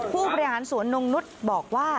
ผู้ประหารศูนย์นุ่งนุษย์บอกว่า